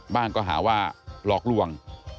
บ้างก็หาว่าหลอกลวง